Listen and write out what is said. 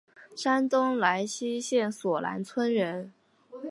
山东莱西县索兰村人。